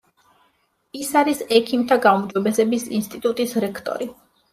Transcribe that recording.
ის არის ექიმთა გაუმჯობესების ინსტიტუტის რექტორი.